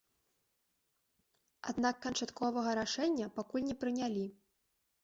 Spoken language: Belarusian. Аднак канчатковага рашэння пакуль не прынялі.